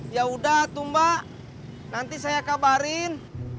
ya udah tuh mbak nanti saya kabarin